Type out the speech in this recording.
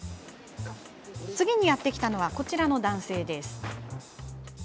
次にやって来たのはこちらの男性。